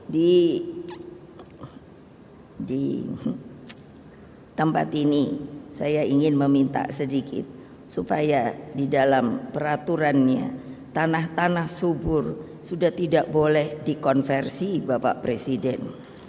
di tempat ini saya ingin meminta sedikit supaya di dalam peraturannya tanah tanah subur sudah tidak boleh dikonversi bapak presiden